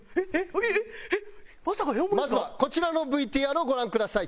まずはこちらのＶＴＲをご覧ください。